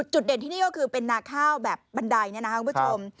จุดเด่นที่นี่ก็คือเป็นนาข้าวแบบบันไดเนี่ยนะครับคุณผู้ชม